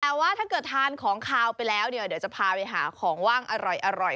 แต่ว่าถ้าเกิดทานของขาวไปแล้วเนี่ยเดี๋ยวจะพาไปหาของว่างอร่อย